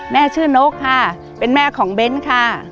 แม่ชื่อนกค่ะเป็นแม่ของเบ้นค่ะ